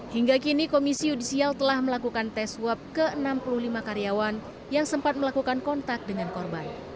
hingga kini komisi yudisial telah melakukan tes swab ke enam puluh lima karyawan yang sempat melakukan kontak dengan korban